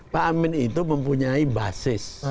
pak amin itu mempunyai basis